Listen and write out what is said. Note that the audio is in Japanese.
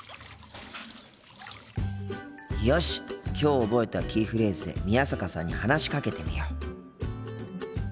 きょう覚えたキーフレーズで宮坂さんに話しかけてみよう。